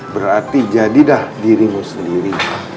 berarti jadi dah dirimu sendiri